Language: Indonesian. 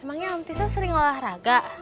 emangnya om tisna sering olahraga